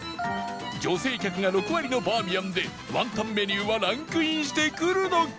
女性客が６割のバーミヤンで雲呑メニューはランクインしてくるのか！？